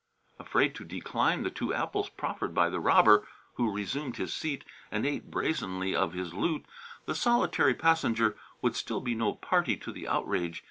Afraid to decline the two apples proffered by the robber, who resumed his seat and ate brazenly of his loot, the solitary passenger would still be no party to the outrage.